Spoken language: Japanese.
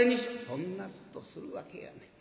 「そんなことするわけやない。